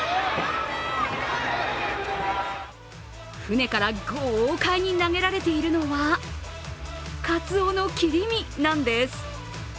舟から豪快に投げられているのはかつおの切り身なんです。